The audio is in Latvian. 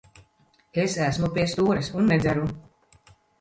Es esmu pie stūres un nedzeru.